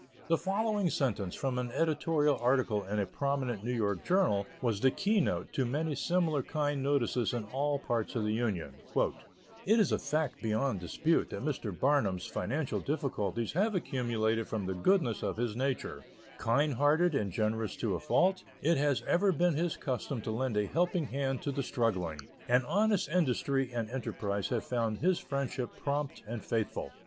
The following sentence from an editorial article in a prominent New York journal was the key note to many similar kind notices in all parts of the Union: "It is a fact beyond dispute that Mr. Barnum's financial difficulties have accumulated from the goodness of his nature; kind hearted and generous to a fault, it has ever been his custom to lend a helping hand to the struggling; and honest industry and enterprise have found his friendship prompt and faithful."